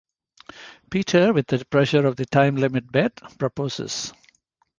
Peter, with the pressure of the time-limit bet, proposes.